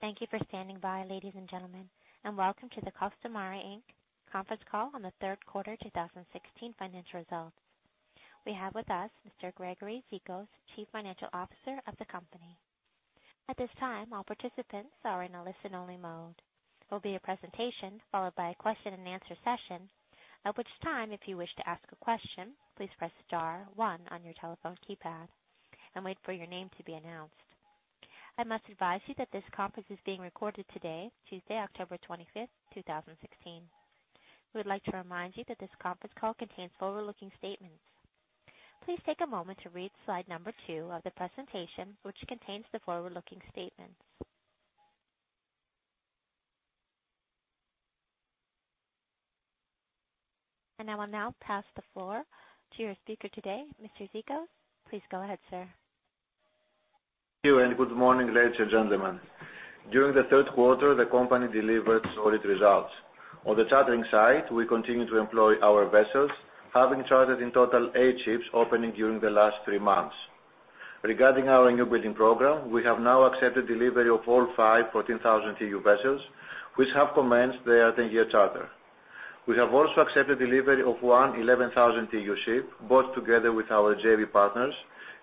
Thank you for standing by, ladies and gentlemen, and welcome to the Costamare Inc. conference call on the third quarter 2016 financial results. We have with us Mr. Gregory Zikos, Chief Financial Officer of the company. At this time, all participants are in a listen-only mode. There will be a presentation followed by a question and answer session, at which time, if you wish to ask a question, please press star one on your telephone keypad and wait for your name to be announced. I must advise you that this conference is being recorded today, Tuesday, October 25, 2016. We would like to remind you that this conference call contains forward-looking statements. Please take a moment to read slide number two of the presentation, which contains the forward-looking statements. I will now pass the floor to your speaker today, Mr. Zikos. Please go ahead, sir. Thank you. Good morning, ladies and gentlemen. During the third quarter, the company delivered solid results. On the chartering side, we continue to employ our vessels, having chartered in total eight ships opening during the last three months. Regarding our new building program, we have now accepted delivery of all five 14,000 TEU vessels, which have commenced their 10-year charter. We have also accepted delivery of one 11,000 TEU ship, both together with our JV partners,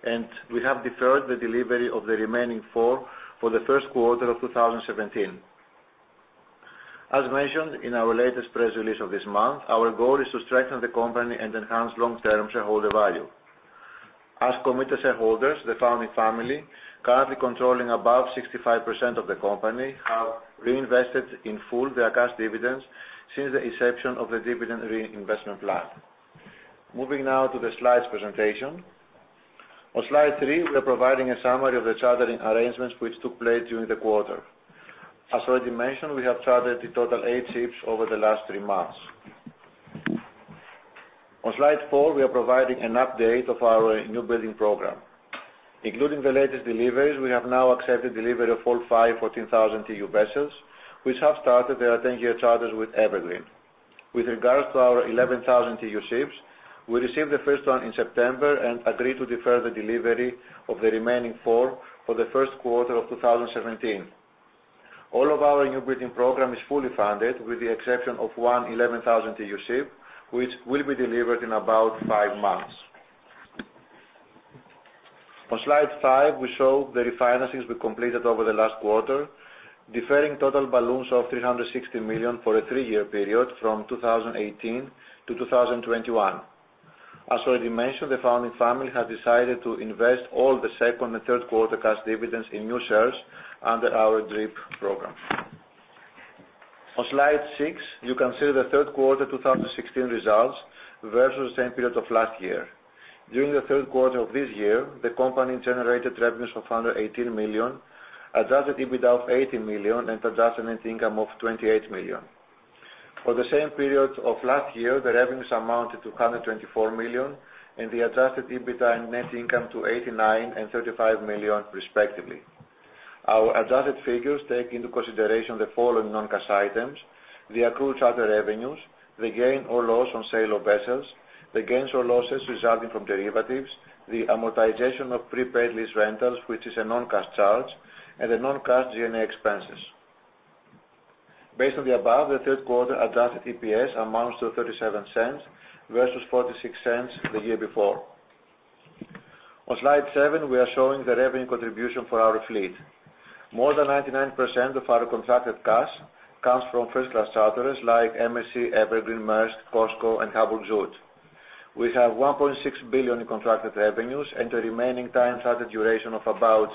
and we have deferred the delivery of the remaining four for the first quarter of 2017. As mentioned in our latest press release of this month, our goal is to strengthen the company and enhance long-term shareholder value. As committed shareholders, the founding family, currently controlling above 65% of the company, have reinvested in full their cash dividends since the inception of the dividend reinvestment plan. Moving now to the slides presentation. On slide three, we are providing a summary of the chartering arrangements which took place during the quarter. As already mentioned, we have chartered a total of eight ships over the last three months. On slide four, we are providing an update of our new building program. Including the latest deliveries, we have now accepted delivery of all five 14,000 TEU vessels, which have started their 10-year charters with Evergreen. With regards to our 11,000 TEU ships, we received the first one in September and agreed to defer the delivery of the remaining four for the first quarter of 2017. All of our new building program is fully funded with the exception of one 11,000 TEU ship, which will be delivered in about five months. On slide five, we show the refinancings we completed over the last quarter, deferring total balloons of $360 million for a three-year period from 2018 to 2021. As already mentioned, the founding family have decided to invest all the second and third quarter cash dividends in new shares under our DRIP program. On slide six, you can see the third quarter 2016 results versus the same period of last year. During the third quarter of this year, the company generated revenues of $118 million, adjusted EBITDA of $80 million, and adjusted net income of $28 million. For the same period of last year, the revenues amounted to $124 million, and the adjusted EBITDA net income to $89 million and $35 million, respectively. Our adjusted figures take into consideration the following non-cash items: the accrued charter revenues, the gain or loss on sale of vessels, the gains or losses resulting from derivatives, the amortization of prepaid lease rentals, which is a non-cash charge, and the non-cash G&A expenses. Based on the above, the third quarter adjusted EPS amounts to $0.37 versus $0.46 the year before. On slide seven, we are showing the revenue contribution for our fleet. More than 99% of our contracted costs comes from first-class charterers like MSC, Evergreen, Maersk, COSCO, and Hapag-Lloyd. We have $1.6 billion in contracted revenues and a remaining time charter duration of about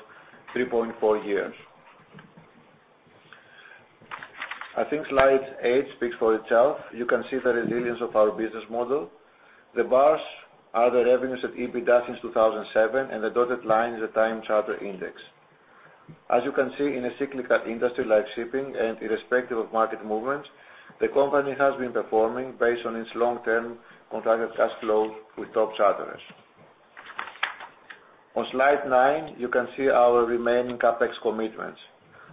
3.4 years. I think slide eight speaks for itself. You can see the resilience of our business model. The bars are the revenues of EBITDA since 2007, and the dotted line is the time charter index. On slide nine, you can see our remaining CapEx commitments.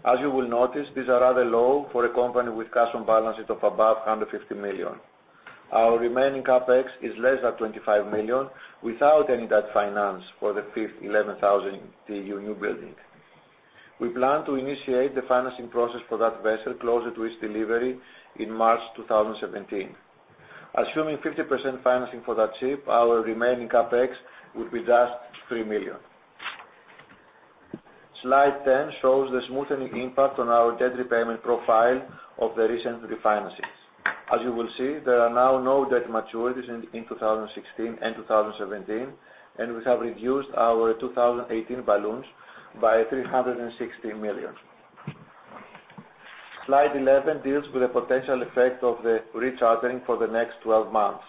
As you will notice, these are rather low for a company with cash on balances of above $150 million. Our remaining CapEx is less than $25 million without any debt finance for the fifth 11,000 TEU new building. We plan to initiate the financing process for that vessel closer to its delivery in March 2017. Assuming 50% financing for that ship, our remaining CapEx would be just $3 million. Slide 10 shows the smoothening impact on our debt repayment profile of the recent refinancings. As you will see, there are now no debt maturities in 2016 and 2017, and we have reduced our 2018 balloons by $360 million. Slide 11 deals with the potential effect of the rechartering for the next 12 months.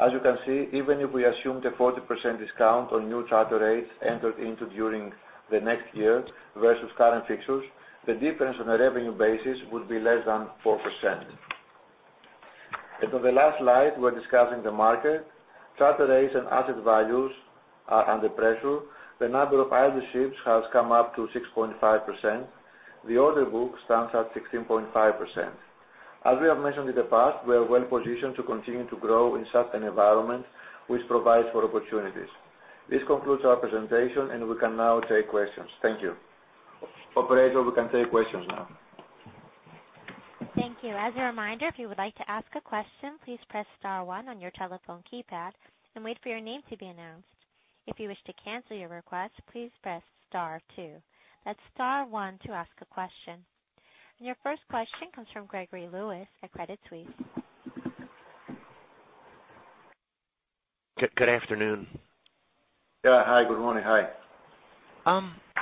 As you can see, even if we assume the 40% discount on new charter rates entered into during the next year versus current fixtures, the difference on a revenue basis would be less than 4%. On the last slide, we're discussing the market. Charter rates and asset values are under pressure. The number of idle ships has come up to 6.5%. The order book stands at 16.5%. As we have mentioned in the past, we are well positioned to continue to grow in such an environment, which provides for opportunities. This concludes our presentation, and we can now take questions. Thank you. Operator, we can take questions now. Thank you. As a reminder, if you would like to ask a question, please press star one on your telephone keypad and wait for your name to be announced. If you wish to cancel your request, please press star two. That's star one to ask a question. Your first question comes from Gregory Lewis at Credit Suisse. Good afternoon. Yeah. Hi. Good morning. Hi.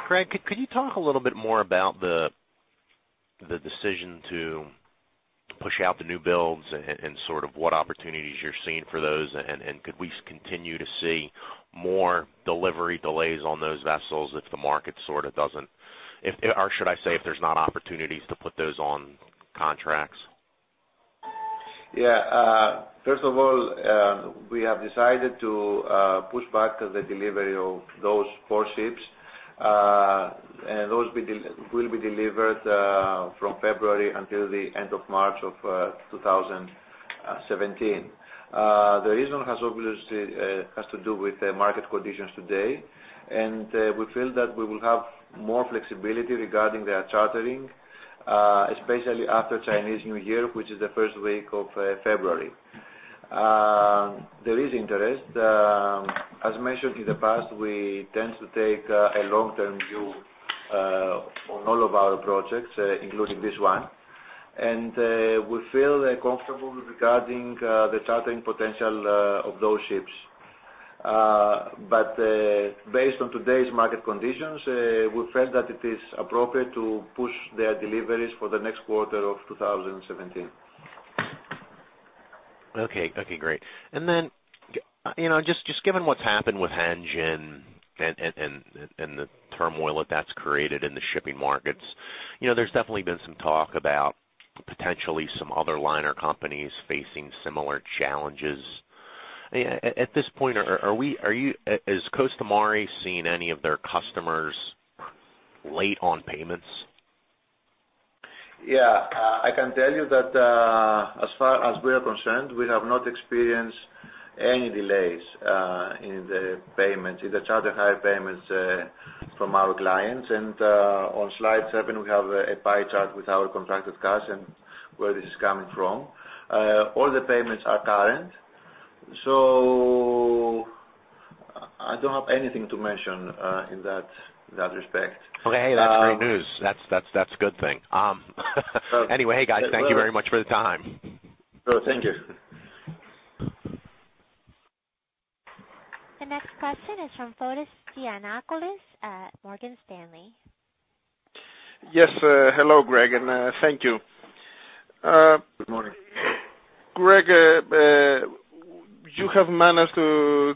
Greg, could you talk a little bit more about the decision to push out the new builds and sort of what opportunities you're seeing for those? Could we continue to see more delivery delays on those vessels if the market sort of doesn't, or should I say, if there's not opportunities to put those on contracts? Yeah. First of all, we have decided to push back the delivery of those four ships. Those will be delivered from February until the end of March of 2017. The reason obviously has to do with the market conditions today, and we feel that we will have more flexibility regarding their chartering, especially after Chinese New Year, which is the first week of February. There is interest. As mentioned in the past, we tend to take a long-term view on all of our projects, including this one. We feel comfortable regarding the chartering potential of those ships. Based on today's market conditions, we felt that it is appropriate to push their deliveries for the next quarter of 2017. Okay, great. Then, just given what's happened with Hanjin and the turmoil that that's created in the shipping markets, there's definitely been some talk about potentially some other liner companies facing similar challenges. At this point, has Costamare seen any of their customers late on payments? Yeah. I can tell you that, as far as we are concerned, we have not experienced any delays in the charter hire payments from our clients. On slide seven, we have a pie chart with our contracted cash and where this is coming from. All the payments are current. I don't have anything to mention in that respect. Okay. That's great news. That's a good thing. Anyway, hey, guys, thank you very much for the time. No, thank you. The next question is from Fotis Giannakoulis at Morgan Stanley. Yes. Hello, Greg, thank you. Good morning. Greg, you have managed to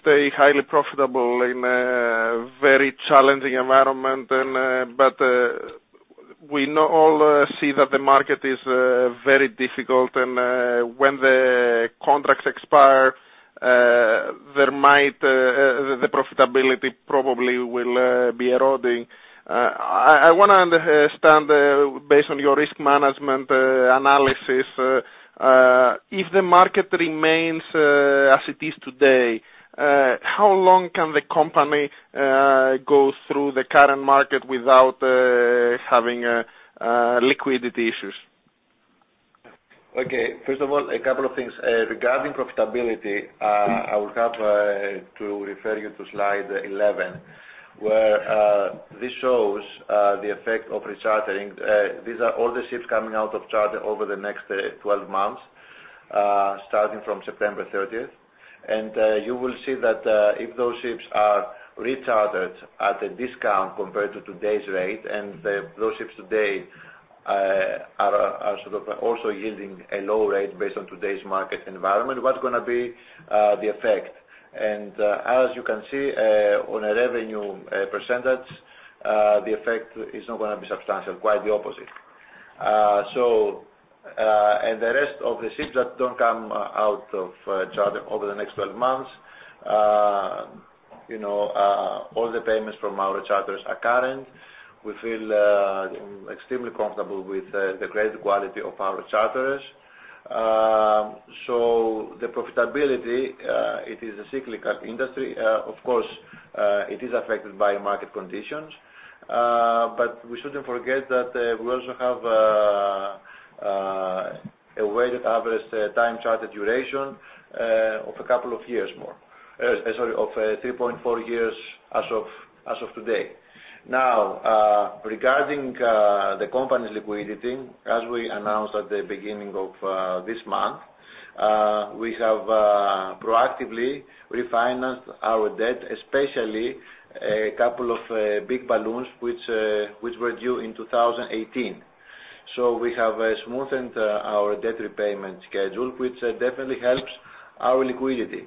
stay highly profitable in a very challenging environment. We now all see that the market is very difficult and when the contracts expire, the profitability probably will be eroding. I want to understand, based on your risk management analysis, if the market remains as it is today, how long can the company go through the current market without having liquidity issues? Okay. First of all, a couple of things. Regarding profitability, I would have to refer you to slide 11, where this shows the effect of rechartering. These are all the ships coming out of charter over the next 12 months, starting from September 30th. You will see that if those ships are rechartered at a discount compared to today's rate, and those ships today are sort of also yielding a low rate based on today's market environment, what's going to be the effect? As you can see, on a revenue %, the effect is not going to be substantial, quite the opposite. The rest of the ships that don't come out of charter over the next 12 months, all the payments from our charters are current. We feel extremely comfortable with the great quality of our charters. The profitability, it is a cyclical industry. Of course, it is affected by market conditions. We shouldn't forget that we also have a weighted average time charter duration of 3.4 years as of today. Now, regarding the company's liquidity, as we announced at the beginning of this month, we have proactively refinanced our debt, especially a couple of big balloons which were due in 2018. We have smoothened our debt repayment schedule, which definitely helps our liquidity.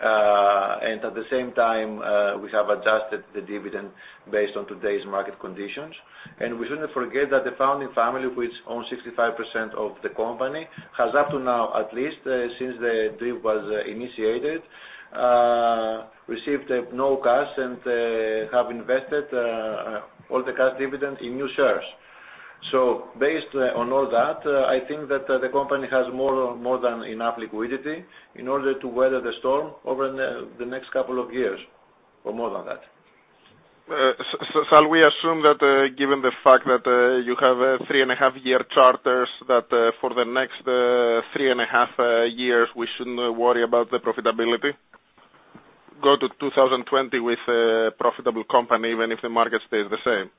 At the same time, we have adjusted the dividend based on today's market conditions. We shouldn't forget that the founding family, which owns 65% of the company, has up to now, at least since the deal was initiated, received no cash and have invested all the cash dividends in new shares. Based on all that, I think that the company has more than enough liquidity in order to weather the storm over the next couple of years or more than that. Shall we assume that given the fact that you have three and a half year charters, that for the next three and a half years, we shouldn't worry about the profitability? Go to 2020 with a profitable company, even if the market stays the same.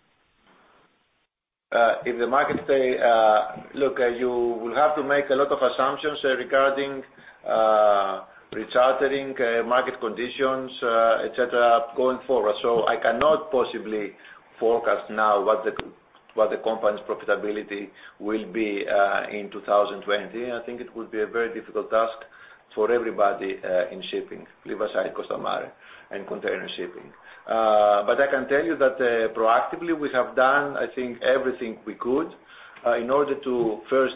If the market stays, you will have to make a lot of assumptions regarding rechartering, market conditions, et cetera, going forward. I cannot possibly forecast now what the company's profitability will be in 2020. I think it would be a very difficult task for everybody in shipping, leave aside Costamare and container shipping. I can tell you that proactively, we have done, I think, everything we could in order to first,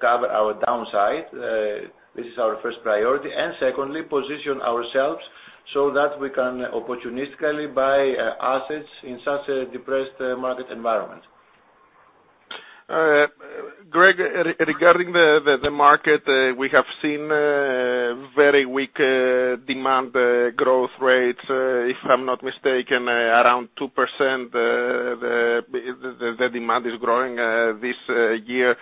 cover our downside. This is our first priority, and secondly, position ourselves so that we can opportunistically buy assets in such a depressed market environment. Greg, regarding the market, we have seen very weak demand growth rates. If I'm not mistaken, around 2%, the demand is growing this year.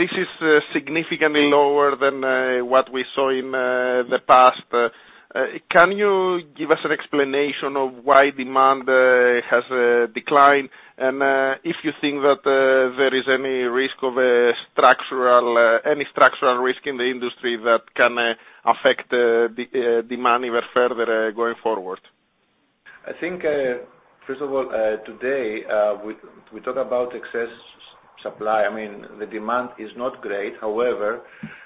This is significantly lower than what we saw in the past. Can you give us an explanation of why demand has declined, and if you think that there is any structural risk in the industry that can affect demand even further going forward? I think, first of all, today, we talk about excess supply. The demand is not great.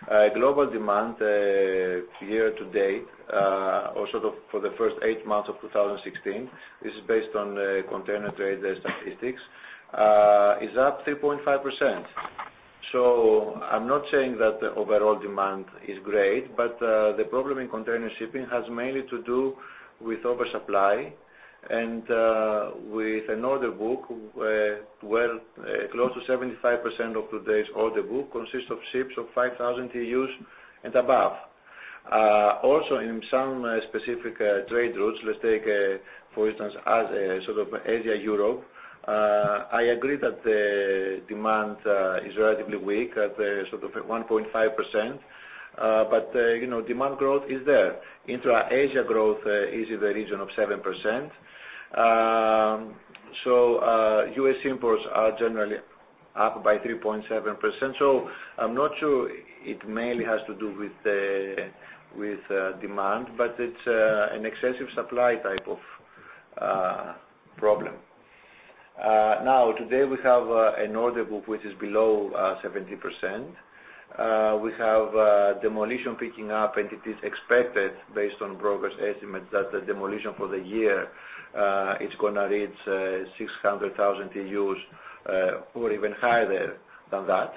Global demand year to date, or sort of for the first eight months of 2016, this is based on Container Trade Statistics, is up 3.5%. I'm not saying that the overall demand is great, but the problem in container shipping has mainly to do with oversupply and with an order book where close to 75% of today's order book consists of ships of 5,000 TEUs and above. Also, in some specific trade routes, let's take, for instance, Asia or Europe. I agree that the demand is relatively weak at sort of 1.5%, but demand growth is there. Intra-Asia growth is in the region of 7%. U.S. imports are generally up by 3.7%. I'm not sure it mainly has to do with demand, but it's an excessive supply type of problem. Today we have an order book which is below 17%. We have demolition picking up, It is expected based on brokers' estimates that the demolition for the year is going to reach 600,000 TEUs or even higher than that,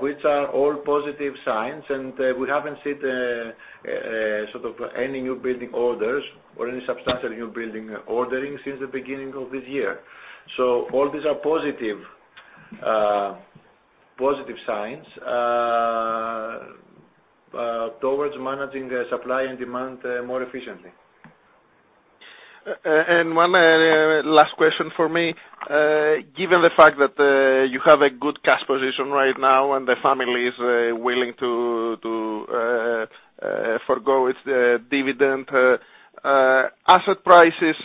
which are all positive signs. We haven't seen any new building orders or any substantial new building ordering since the beginning of this year. All these are positive signs towards managing the supply and demand more efficiently. One last question from me. Given the fact that you have a good cash position right now, the family is willing to forgo its dividend, asset prices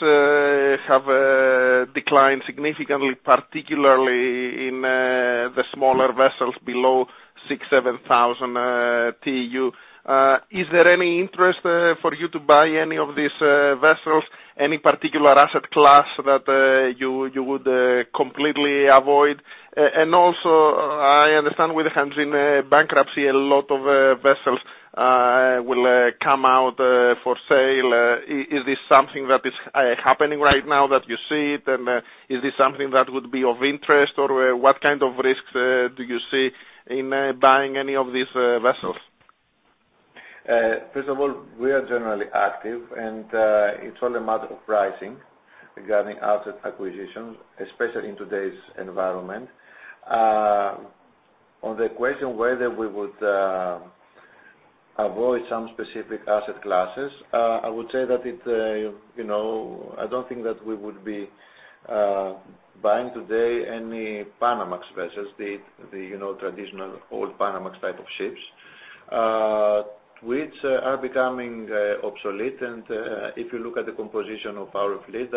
have declined significantly, particularly in the smaller vessels below 6,000, 7,000 TEU. Is there any interest for you to buy any of these vessels? Any particular asset class that you would completely avoid? I understand with the Hanjin bankruptcy, a lot of vessels will come out for sale. Is this something that is happening right now, that you see it, and is this something that would be of interest, or what kind of risks do you see in buying any of these vessels? We are generally active, and it's all a matter of pricing regarding asset acquisitions, especially in today's environment. On the question whether we would avoid some specific asset classes, I would say that I don't think that we would be buying today any Panamax vessels, the traditional old Panamax type of ships, which are becoming obsolete. If you look at the composition of our fleet,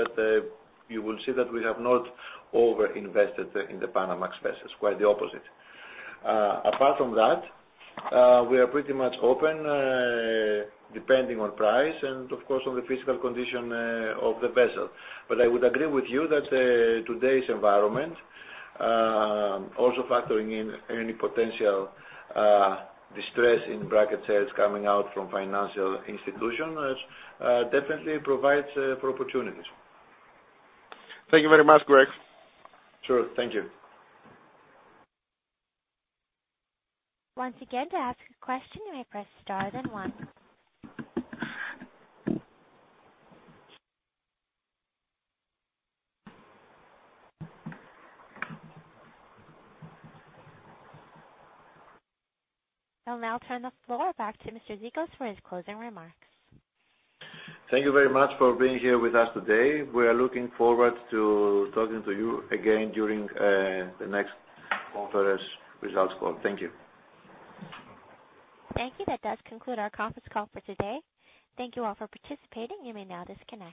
you will see that we have not over-invested in the Panamax vessels, quite the opposite. Apart from that, we are pretty much open, depending on price and of course, on the physical condition of the vessel. I would agree with you that today's environment, also factoring in any potential [distressed asset] sales coming out from financial institutions, definitely provides for opportunities. Thank you very much, Gregory. Sure. Thank you. Once again, to ask a question, you may press star then one. I'll now turn the floor back to Mr. Zikos for his closing remarks. Thank you very much for being here with us today. We are looking forward to talking to you again during the next conference results call. Thank you. Thank you. That does conclude our conference call for today. Thank you all for participating. You may now disconnect.